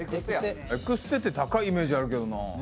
エクステって高いイメージあるけどな。